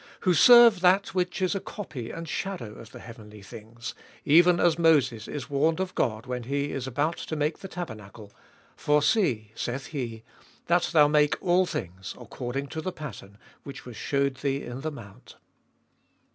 Who serve that which is a copy and shadow of the heavenly things, even as Moses is warned of God when he is about to make the tabernacle : for, See, saith he, that thou make all things according to the pattern which was shewed thee in the mount.